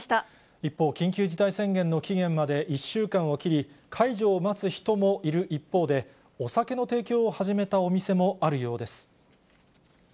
一方、緊急事態宣言の期限まで１週間を切り、解除を待つ人もいる一方で、お酒の提供を始めたお店もあるようです。